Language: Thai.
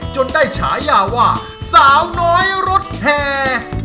จนได้ฉายาว่าสาวน้อยรถแห่